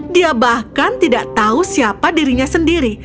dia bahkan tidak tahu siapa dirinya sendiri